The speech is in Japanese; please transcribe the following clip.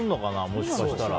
もしかしたら。